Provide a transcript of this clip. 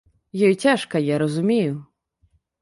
Ёй цяжка, я разумею.